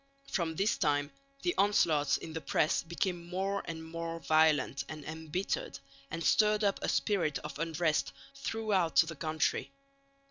From this time the onslaughts in the press became more and more violent and embittered, and stirred up a spirit of unrest throughout the country.